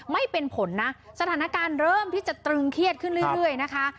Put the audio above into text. ไม่เป็นผลนะสถานการณ์เริ่มที่จะตรึงเครียดขึ้นเรื่อยนะคะ